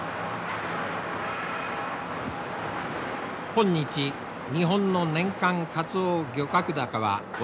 今日日本の年間カツオ漁獲高はおよそ３５万トン。